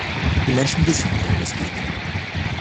Die Menschen wissen, worum es geht.